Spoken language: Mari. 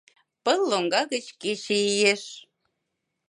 Пыл лоҥга гыч кече иеш.